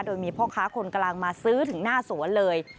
โดยมีพ่อค้าคนกลางมาซื้อถึงหน้าสวนเลย